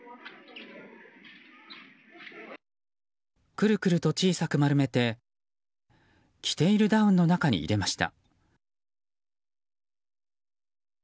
クルクルと小さく丸めて着ているダウンの中に入れました。